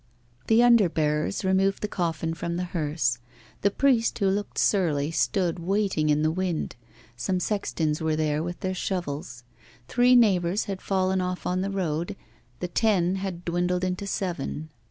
The under bearers removed the coffin from the hearse. The priest, who looked surly, stood waiting in the wind; some sextons were there with their shovels. Three neighbours had fallen off on the road, the ten had dwindled into seven.